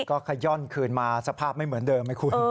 ก็ขย่อนคืนมาสภาพไม่เหมือนเดิมไหมคุณ